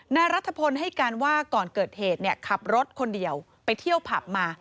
นายรัฐพลให้การว่าก่อนเกิดเหตุขับรถคนเดียวไปเที่ยวผับมา